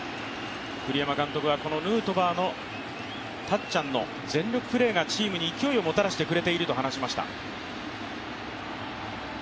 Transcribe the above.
栗山監督はこのヌートバーの、たっちゃんの全力プレーがチームに勢いをもたらしてくれていると話しました。